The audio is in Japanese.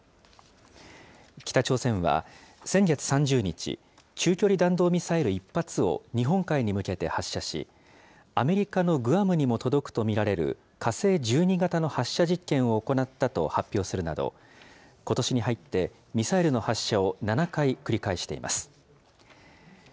北朝鮮は先月３０日、中距離弾道ミサイル１発を日本海に向けて発射し、アメリカのグアムにも届くと見られる火星１２型の発射実験を行ったと発表するなど、ことしに入って、ミサイルの発射を７回繰り返しています。